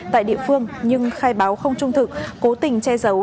tại địa phương nhưng khai báo không trung thực cố tình che giấu